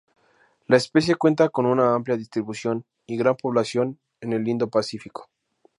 La especie cuenta con una amplia distribución y gran población en el Indo.Pacífico.